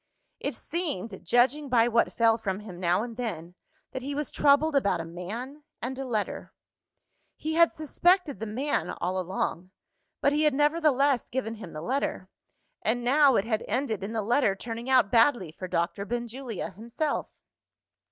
It seemed, judging by what fell from him now and then, that he was troubled about a man and a letter. He had suspected the man all along; but he had nevertheless given him the letter and now it had ended in the letter turning out badly for Doctor Benjulia himself.